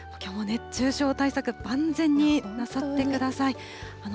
きょうも熱中症対策、万全になさってください。